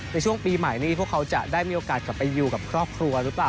ในช่วงปีใหม่นี้พวกเขาจะได้มีโอกาสกลับไปอยู่กับครอบครัวหรือเปล่า